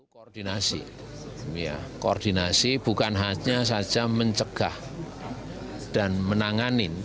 koordinasi koordinasi bukan hanya saja mencegah dan menanganin